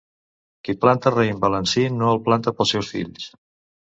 Qui planta raïm valencí no el planta pels seus fills.